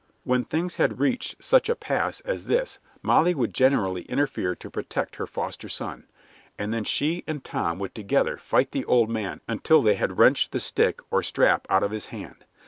When things had reached such a pass as this Molly would generally interfere to protect her foster son, and then she and Tom would together fight the old man until they had wrenched the stick or the strap out of his hand.